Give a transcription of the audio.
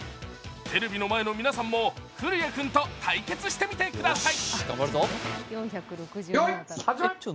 テレビの前の皆さんも降矢君と対決してみてください。